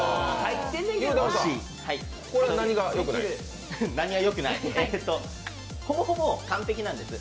これは何がよくないですか？